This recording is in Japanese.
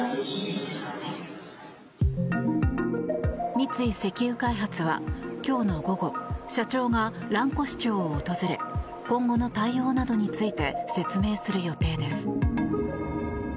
三井石油開発は今日の午後社長が蘭越町を訪れ今後の対応などについて説明する予定です。